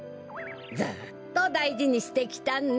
ずっとだいじにしてきたんだ。